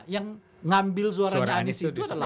yang ngambil suaranya anis itu adalah